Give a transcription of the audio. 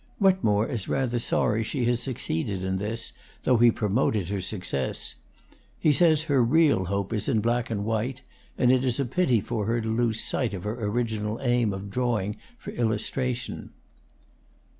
Wetmore is rather sorry she has succeeded in this, though he promoted her success. He says her real hope is in black and white, and it is a pity for her to lose sight of her original aim of drawing for illustration.